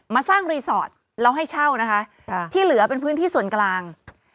มาสร้างรีสอร์ทแล้วให้เช่านะคะที่เหลือเป็นพื้นที่ส่วนกลาง